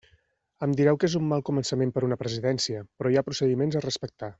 Em direu que és un mal començament per una presidència, però hi ha procediments a respectar.